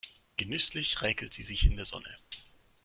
Genüsslich räkelt sie sich in der Sonne.